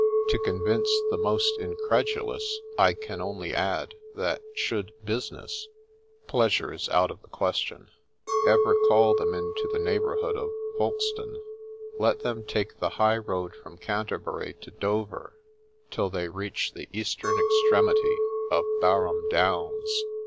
To convince the most incredulous, I can only add, that should business — pleasure is out of the question — ever call them into the neighbourhood of Folkestone, let them take the high road from Canterbury to Dover till they reach the eastern extremity of Barham Downs.